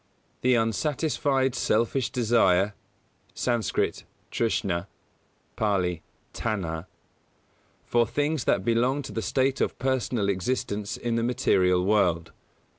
The unsatisfied selfish desire (Skt., trshnā; Pālī, tanhā) for things that belong to the state of personal existence in the material world.